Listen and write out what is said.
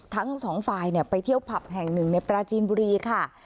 ทั้งสองฝ่ายไปเที่ยวผับแห่งหนึ่งในปราจีนบุรีค่ะ